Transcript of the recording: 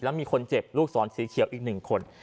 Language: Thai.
แล้วมีคนเจ็บลูกศรสีเขียวอีก๑คน